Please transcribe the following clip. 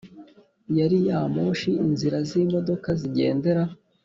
gari ya moshi inzira z imodoka zigendera